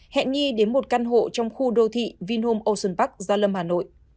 hẹn nghi đến một căn hộ trong khu đô thị vinhome ocean park gia lâm hà nội